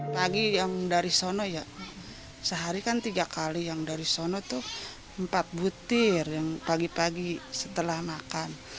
pagi yang dari sana ya sehari kan tiga kali yang dari sana tuh empat butir yang pagi pagi setelah makan